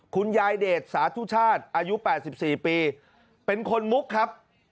คุณยายเดชสาธุชาติอายุ๘๔ปีเป็นคนมุกครับ